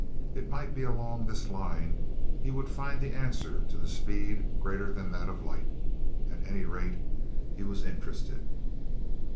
It might be that along this line he would find the answer to the speed greater than that of light. At any rate, he was interested.